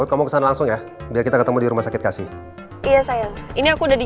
kamu kesan langsung ya biar kita ketemu di rumah sakit kasih iya sayang ini aku udah di